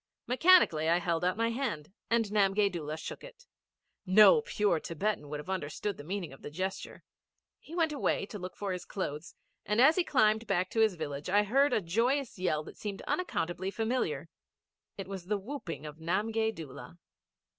Mechanically I held out my hand and Namgay Doola shook it. No pure Thibetan would have understood the meaning of the gesture. He went away to look for his clothes, and as he climbed back to his village, I heard a joyous yell that seemed unaccountably familiar. It was the whooping of Namgay Doola.